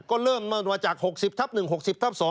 ก็เริ่มมาจาก๖๐ทับ๑๖๐ทับ๒